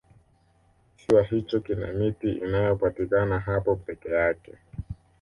kisiwa hicho kina miti inayopatikana hapo peke yake